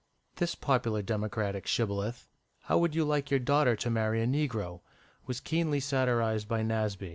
This popular Democratic shibboleth, "How would you like your daughter to marry a negro?" was keenly satirised by Nasby.